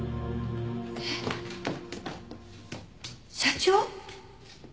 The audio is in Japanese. えっ？社長？